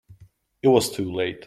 It was too late.